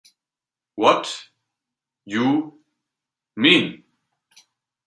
What you mean?